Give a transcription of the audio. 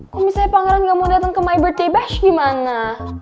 kok misalnya pangeran gak mau dateng ke my birthday bash gimana